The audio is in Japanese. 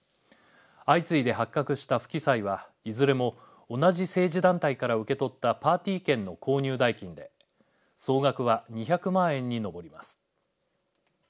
相次いで発覚した不記載はいずれも同じ政治団体から受け取ったパーティー券の購入代金で総額は２００万円に上ります。